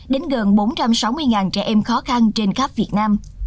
đến gần bốn trăm sáu mươi trẻ em khó khăn trên khắp việt nam